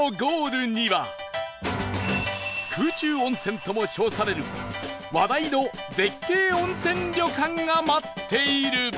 空中温泉とも称される話題の絶景温泉旅館が待っている